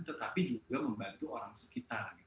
tetapi juga membantu orang sekitar